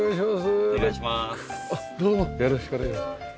よろしくお願いします。